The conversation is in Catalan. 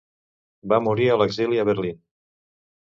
Va morir a l'exili a Berlín.